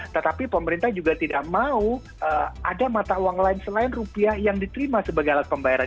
tetapi pemerintah juga tidak mau ada mata uang lain selain rupiah yang diterima sebagai alat pembayaran